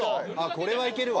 ・これはいけるわ。